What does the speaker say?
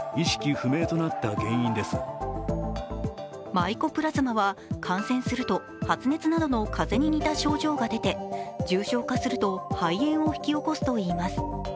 マイコプラズマは感染すると発熱などの風邪に似た症状が出て重症化すると肺炎を引き起こすといいます。